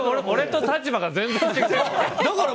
俺と立場が全然違う！